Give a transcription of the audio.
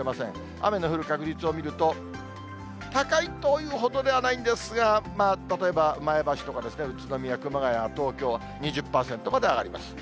雨の降る確率を見ると、高いというほどではないんですが、例えば前橋とか宇都宮、熊谷、東京、２０％まで上がります。